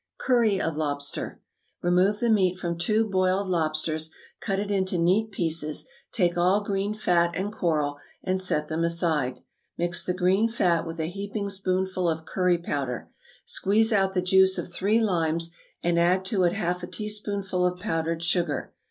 =Curry of Lobster.= Remove the meat from two boiled lobsters, cut it into neat pieces; take all green fat and coral, and set them aside; mix the green fat with a heaping spoonful of curry powder. Squeeze out the juice of three limes, and add to it half a teaspoonful of powdered sugar.